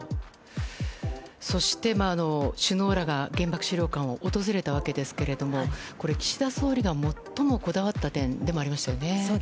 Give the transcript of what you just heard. そして、首脳らが原爆資料館を訪れたわけですが岸田総理が最もこだわった点でもありましたよね。